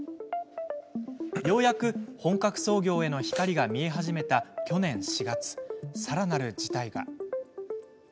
ようやく本格操業への光が見え始めた、去年４月さらなる事態が。